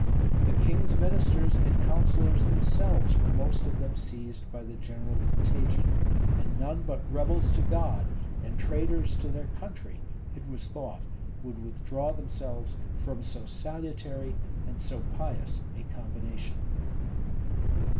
The king's ministers and counsellors themselves were most of them seized by the general contagion. And none but rebels to God, and traitors to their country, it was thought, would withdraw themselves from so salutary and so pious a combination.